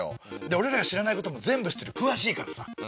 俺らが知らないことも全部知ってる詳しいからさ。